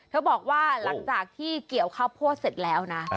บอกว่าหลังจากที่เกี่ยวข้าวโพดเสร็จแล้วนะ